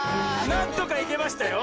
なんとかいけましたよ。